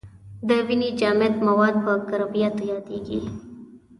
د وینې جامد مواد په کرویاتو یادیږي.